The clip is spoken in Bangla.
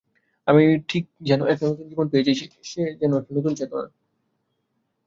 আমি ঠিক যেন একটা নূতন জীবন পেয়েছি, সে একটা নূতন চেতনা।